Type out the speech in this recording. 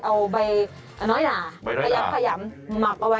เอาใบหน่อยหน่าพยายามหมักเอาไว้